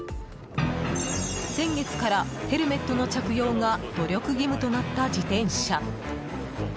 先月から、ヘルメットの着用が努力義務となった自転車。